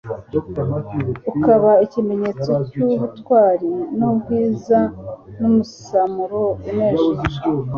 ukaba ikimenyetso cy'ubutwari n'ubwiza n'umusamro unejeje.